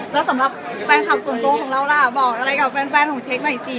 แล้วสำหรับแฟนคลับส่วนตัวของเราล่ะบอกอะไรกับแฟนของเช็คหน่อยสิ